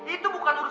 itu bukan urusan lo